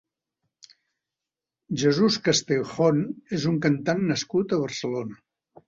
Jesús Castejón és un cantant nascut a Barcelona.